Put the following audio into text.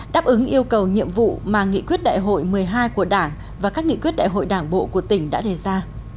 đáp ứng yêu cầu nhiệm vụ mà nghị quyết đại hội một mươi hai của đảng và các nghị quyết đại hội đảng bộ của tỉnh đã đề ra